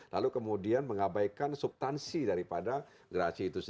lalu kemudian mengabaikan subtansi daripada gerasi itu